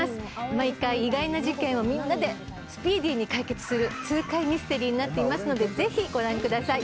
毎回意外な事件をみんなでスピーディーに解決する痛快ミステリーになっていますのでぜひご覧ください。